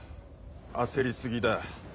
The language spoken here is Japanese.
焦り過ぎだ。